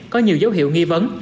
có nhiều dấu hiệu nghi vấn